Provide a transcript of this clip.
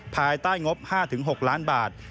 ภายใต้งบ๕๖ล้านบาท